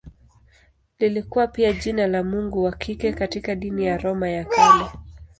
Lilikuwa pia jina la mungu wa kike katika dini ya Roma ya Kale.